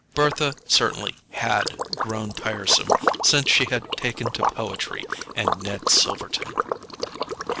Bertha certainly HAD grown tiresome since she had taken to poetry and Ned Silverton.